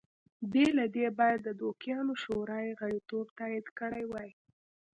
بې له دې باید د دوکیانو شورا یې غړیتوب تایید کړی وای